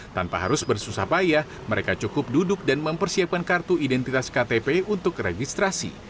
tanpa harus bersusah payah mereka cukup duduk dan mempersiapkan kartu identitas ktp untuk registrasi